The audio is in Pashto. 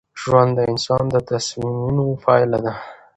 ژوند د انسان د تصمیمونو پایله ده.